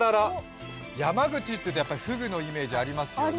山口というとフグのイメージがありますよね。